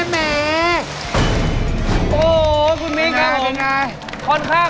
โอ้โฮคุณมิงครับผม